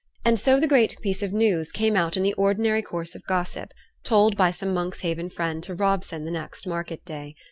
And so the great piece of news came out in the ordinary course of gossip, told by some Monkshaven friend to Robson the next market day.